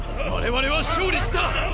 我々は勝利した！！